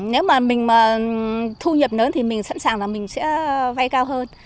nếu mà mình mà thu nhập lớn thì mình sẵn sàng là mình sẽ vay cao hơn